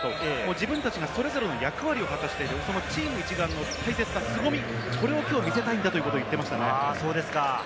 自分たちがそれぞれの役割を果たして、チーム一丸の凄み、それを見せたいんだと言っていましたね。